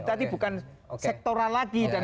tapi bukan sektoral lagi dan